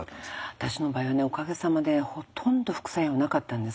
私の場合はねおかげさまでほとんど副作用なかったんです。